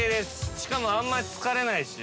しかもあんまり疲れないし。